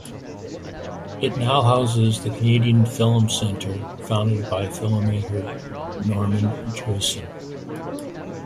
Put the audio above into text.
It now houses the Canadian Film Centre, founded by filmmaker, Norman Jewison.